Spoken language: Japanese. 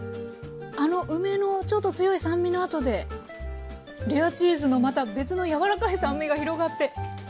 あの梅のちょっと強い酸味のあとでレアチーズのまた別の柔らかい酸味が広がって。